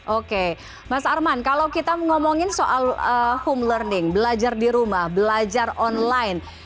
oke mas arman kalau kita ngomongin soal home learning belajar di rumah belajar online